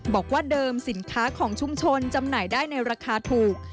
บอกว่าเดิมสินค้าของชุมชนจำหน่ายได้ในราคาถูก